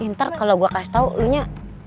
ntar kalau gue kasih tau lo nyak